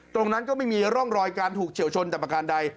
ตรงนั้นก็ไม่มีร่องรอยการถูกเฉียวชนแต่ประการใด